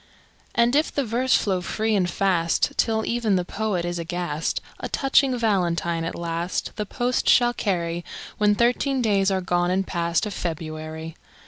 And if the verse flow free and fast, Till even the poet is aghast, A touching Valentine at last The post shall carry, When thirteen days are gone and past Of February.